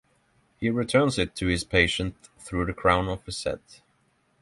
He returns it to his patient through the crown of his head.